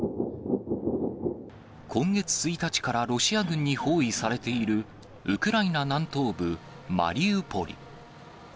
今月１日からロシア軍に包囲されている、ウクライナ南東部マリウポリ。